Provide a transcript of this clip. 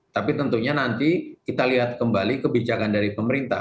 tapi tentunya nanti kita lihat kembali kebijakan dari pemerintah